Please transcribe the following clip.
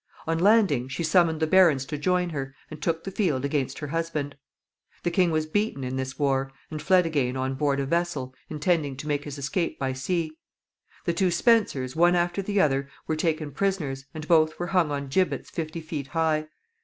On landing, she summoned the barons to join her, and took the field against her husband. The king was beaten in this war, and fled again on board a vessel, intending to make his escape by sea. The two Spencers, one after the other, were taken prisoners, and both were hung on gibbets fifty feet high.